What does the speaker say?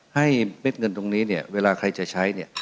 เม็ดเงินตรงนี้เนี่ยเวลาใครจะใช้เนี่ย